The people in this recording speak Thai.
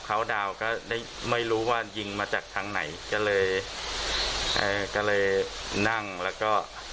เขาดาวก็ได้ไม่รู้ว่ายิงมาจากทางไหนก็เลยเอ่อก็เลยก็เลยนั่งแล้วก็